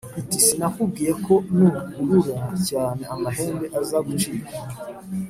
iti sinakubwiye ko nukurura cyane amahembe aza gucika,